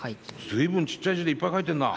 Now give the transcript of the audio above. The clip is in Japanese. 随分ちっちゃい字でいっぱい書いてんな。